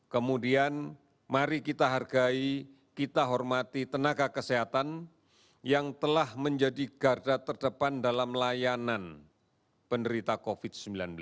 kemudian mari kita hargai kita hormati tenaga kesehatan yang telah menjadi garda terdepan dalam layanan penderita covid sembilan belas